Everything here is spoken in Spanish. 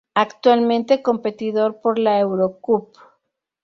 Actualmente competidor por la Eurocup.